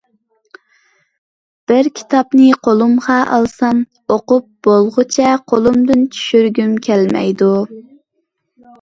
بىر كىتابنى قولۇمغا ئالسام، ئوقۇپ بولغۇچە قولۇمدىن چۈشۈرگۈم كەلمەيدۇ.